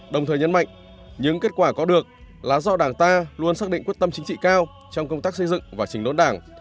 đồng thời nhấn mạnh những kết quả có được là do đảng ta luôn xác định quyết tâm chính trị cao trong công tác xây dựng và trình đốn đảng